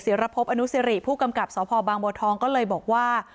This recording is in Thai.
รพบอนุสิริผู้กำกับสพบางบัวทองก็เลยบอกว่า